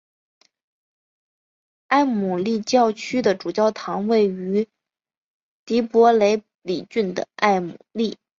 埃姆利教区的主教堂位于蒂珀雷里郡的埃姆利。